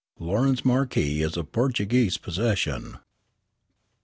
Lourence Marques is a Portuguese possession.